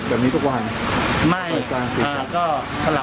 แบบก็สลับบ้านครับค่ะ